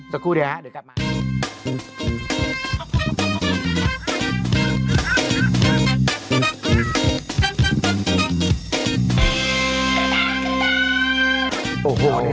สักครู่ค่ะเดี๋ยวกลับมาทำงานกันเดี๋ยวมาทำงานกันเดี๋ยวเฮ่ย